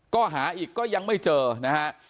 ก็หาอีกก็ยังไม่เจอนะฮะ